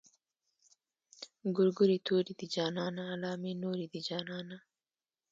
ګورګورې تورې دي جانانه علامې نورې دي جانانه.